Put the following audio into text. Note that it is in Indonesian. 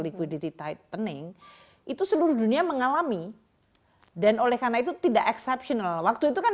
liquidity tightening itu seluruh dunia mengalami dan oleh karena itu tidak exceptional waktu itu kan